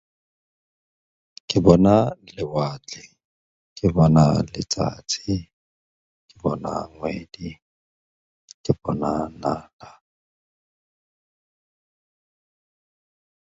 Northwest of the pass lies the southeast foothills of the Bird Spring Range.